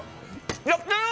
やったよ！